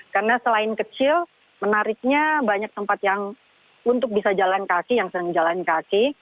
karena selain kecil menariknya banyak tempat yang untuk bisa jalan kaki yang senang jalan kaki